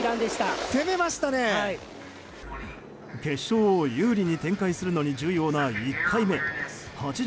決勝を有利に展開するのに重要な１回目。